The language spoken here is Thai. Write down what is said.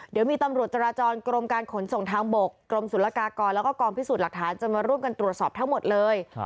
เดี๋ยวมีตำรวจจราจรกรมการขนส่งทางบกกรมศุลกากรแล้วก็กองพิสูจน์หลักฐานจะมาร่วมกันตรวจสอบทั้งหมดเลย